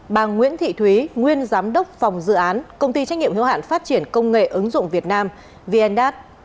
bà nguyễn thị thúy nguyên giám đốc phòng dự án công ty trách nhiệm hiếu hạn phát triển công nghệ ứng dụng việt nam vndat